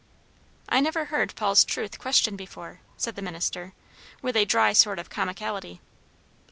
"I never heard Paul's truth questioned before," said the minister, with a dry sort of comicality.